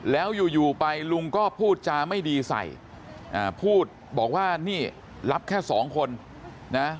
แล้วอยู่ไปลุงก็พูดจาไม่ดีใส่พูดบอกว่านี่รับแค่สองคนนะ